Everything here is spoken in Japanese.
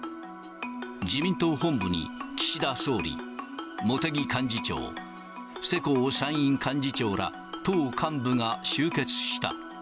自民党本部に、岸田総理、茂木幹事長、世耕参院幹事長ら党幹部が集結した。